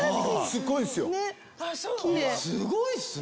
すごいっすね。